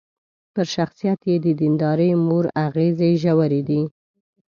پر شخصيت يې د ديندارې مور اغېزې ژورې دي.